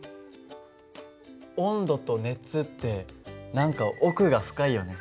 温度と熱って何か奥が深いよね。